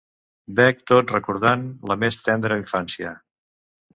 Bec tot recordant la més tendra infància.